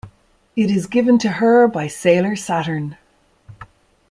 It is given to her by Sailor Saturn.